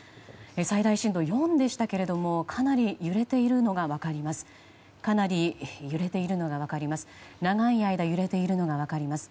最大震度４でしたがかなり揺れているのが分かります。